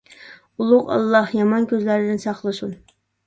ئۇلۇغ ئاللاھ يامان كۆزلەردىن ساقلىسۇن!